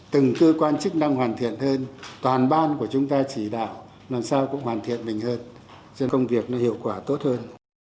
từng cơ quan chức năng hoàn thiện hơn toàn ban của chúng ta chỉ đạo làm sao cũng hoàn thiện mình hơn cho công việc nó hiệu quả tốt hơn